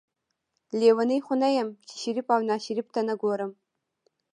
لیونۍ خو نه یم چې شریف او ناشریف ته نه ګورم.